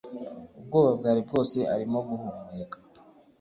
ubwoba bwari bwose, arimo guhumeka